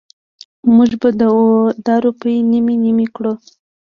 مونږ به دا روپۍ نیمې نیمې کړو.